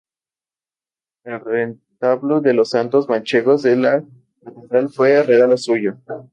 El retablo de los Santos Manchegos de la Catedral fue regalo suyo.